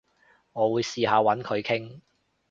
我會試下搵佢傾